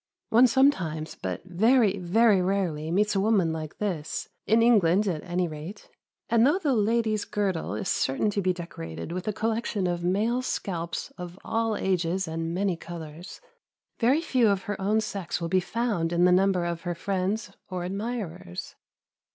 One sometimes, but very, very rarely, meets a woman like this, in England at any rate; and though the lady's girdle is certain to be decorated with a collection of male scalps of all ages and many colours, very few of her own sex will be found in the number of her friends or admirers.